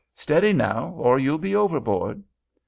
Steady now, or you'll be overboard!"